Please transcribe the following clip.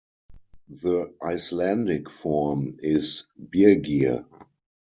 The Icelandic form is "Birgir".